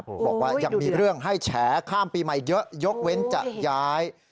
บอกว่ายังมีเรื่องให้แฉข้ามปีใหม่เยอะยกเว้นจะย้าย